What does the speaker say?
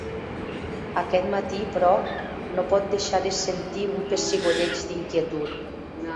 Aquest matí, però, no pot deixar de sentir un pessigolleig d'inquietud.